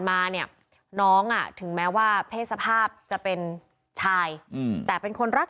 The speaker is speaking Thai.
มาเนี่ยน้องอ่ะถึงแม้ว่าเพศสภาพจะเป็นชายแต่เป็นคนรัก